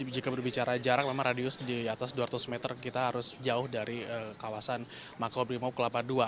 jika berbicara jarak memang radius di atas dua ratus meter kita harus jauh dari kawasan makobrimob kelapa dua